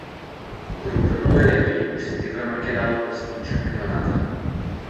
Grupių nugalėtojai užsitikrino kelialapius į čempionatą.